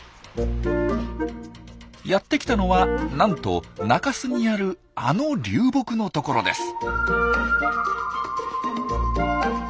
やって来たのはなんと中州にあるあの流木の所です。